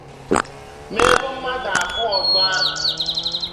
merụọ mmadụ abụọ ọzọ ahụ